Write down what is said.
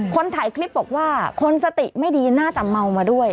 คนถ่ายคลิปบอกว่าคนสติไม่ดีน่าจะเมามาด้วย